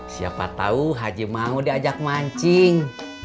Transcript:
siapa tau haji mangu diajak mancing